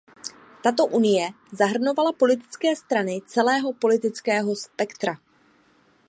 Tato unie zahrnovala politické strany celého politického spektra.